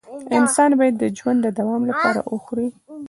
انسان باید د ژوند د دوام لپاره وخوري